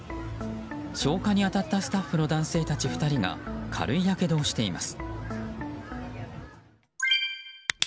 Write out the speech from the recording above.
消火に当たったスタッフの男性たち２人が軽いやけどをしています。